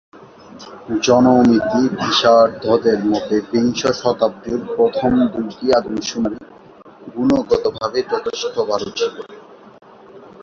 জনমিতি বিশারদদের মতে বিংশ শতাব্দীর প্রথম দুইটি আদমশুমারি গুণগতভাবে যথেষ্ট ভালো ছিল।